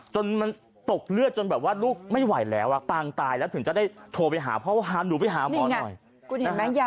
จนมันตกเลือดจนแบบว่าลูกไม่ไหวแล้วปางตายแล้วถึงจะได้โทรไปหาพ่อว่าพาหนูไปหาหมอหน่อย